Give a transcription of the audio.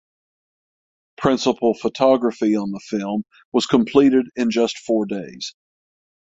Principal photography on the film was completed in just four days.